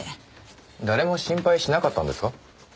誰も心配しなかったんですか？